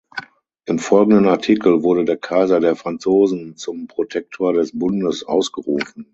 Im folgenden Artikel wurde der Kaiser der Franzosen zum Protektor des Bundes ausgerufen.